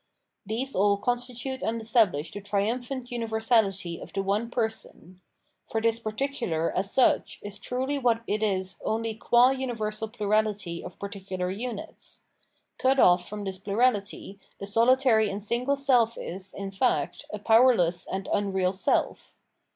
These aU constitute and estabhsh the triumphant universahty of the one person ; for this particular, as such, is truly what it is only qua universal plurahty of particular units : cut off from this plurahty, the sohtary and single self is, in fact, a powerless and unreal self.